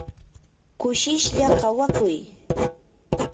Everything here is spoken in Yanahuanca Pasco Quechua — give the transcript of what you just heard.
kushishlla kawakuy.